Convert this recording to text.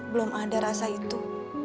belum ada rasa itu